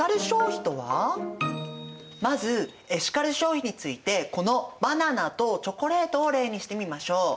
まずエシカル消費についてこのバナナとチョコレートを例にしてみましょう。